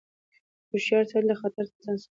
هوښیار سړی له خطر څخه ځان ساتي.